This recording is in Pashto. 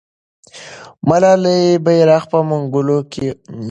ملالۍ بیرغ په منګولو کې نیسي.